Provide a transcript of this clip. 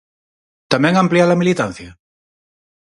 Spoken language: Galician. Tamén ampliar a militancia?